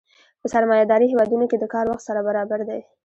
په سرمایه داري هېوادونو کې د کار وخت سره برابر دی